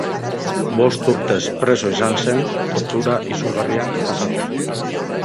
Bost urtez preso izan zen, tortura izugarriak jasaten.